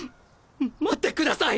待ってください！